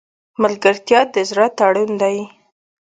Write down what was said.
ملګرتیا د زړه تړون دی.